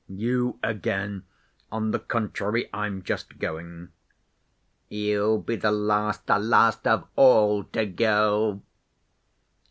"You again?... On the contrary, I'm just going." "You'll be the last, the last of all to go!"